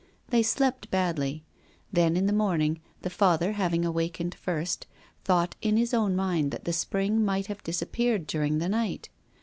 They slept badly; then, in the morning, the father, having awakened first, thought in his own mind that the spring might have disappeared during the night.